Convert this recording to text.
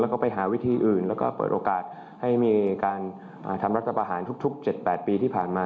แล้วก็ไปหาวิธีอื่นและเปิดโอกาสให้มีการทำรักษบาทที่ผ่านมา